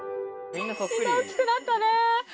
みんな大っきくなったね。